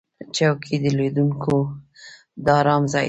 چوکۍ د لیدونکو د آرام ځای دی.